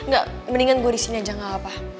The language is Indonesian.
gak mendingan gue disini aja gak apa